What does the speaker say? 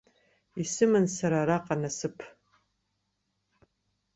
Исыман сара араҟа насыԥ.